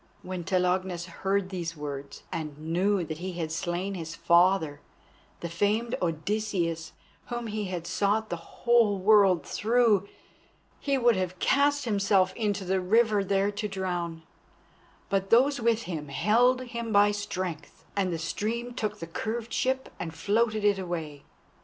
When Telegonus heard these words, and knew that he had slain his father, the famed Odysseus, whom he had sought the whole world through, he would have cast himself into the river, there to drown, but those with him held him by strength, and the stream took the curved ship and floated it away.